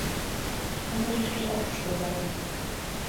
Ындыже шкежат руштылдалын.